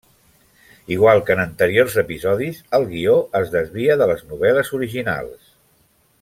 Igual que en anteriors episodis, el guió es desvia de les novel·les originals.